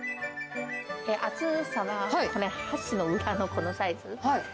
厚さは箸の裏のこのサイズ。